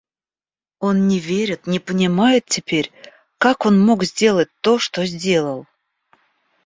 Он не верит, не понимает теперь, как он мог сделать то, что сделал.